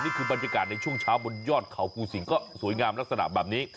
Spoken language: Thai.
นี่คือบรรยากาศในช่วงเช้าบนยอดเขาภูสิงก็สวยงามลักษณะแบบนี้